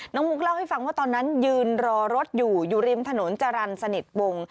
มุกเล่าให้ฟังว่าตอนนั้นยืนรอรถอยู่อยู่ริมถนนจรรย์สนิทวง